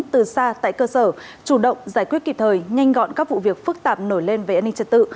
từ xa tại cơ sở chủ động giải quyết kịp thời nhanh gọn các vụ việc phức tạp nổi lên về an ninh trật tự